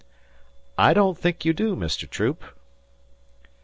"I don't think you do, Mr. Troop."